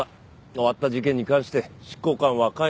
終わった事件に関して執行官は関与しない。